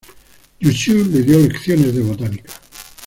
Jussieu le dio lecciones de botánica.